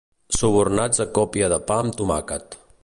Subornats a còpia de pa amb tomàquet.